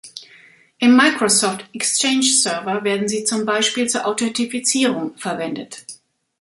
Im Microsoft Exchange Server werden sie zum Beispiel zur Authentifizierung verwendet.